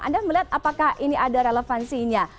anda melihat apakah ini ada relevansinya